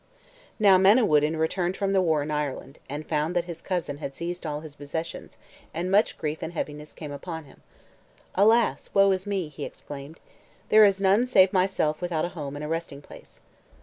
Now Manawyddan returned from the war in Ireland, and he found that his cousin had seized all his possessions, and much grief and heaviness came upon him. "Alas! woe is me!" he exclaimed; "there is none save myself without a home and a resting place."